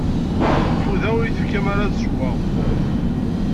Fudeɣ, ur yi-tefkim ara ad sweɣ.